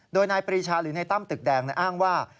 โดยนายปรีชาหรือในตั้มตึกแดงอ้างว่า